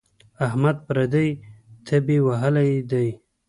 احمد پردۍ تبې وهلی دی.